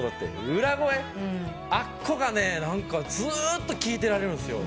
あっこがねずっと聴いてられるんですよ。